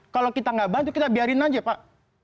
kalau kita tidak bantu kita biarkan saja pak